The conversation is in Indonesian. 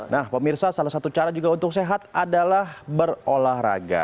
nah pemirsa salah satu cara juga untuk sehat adalah berolahraga